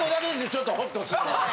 ちょっとホッとするのはね。